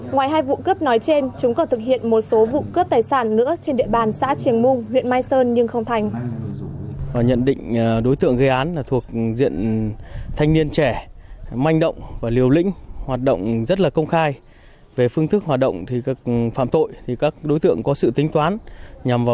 ngoài hai vụ cướp nói trên chúng còn thực hiện một số vụ cướp tài sản nữa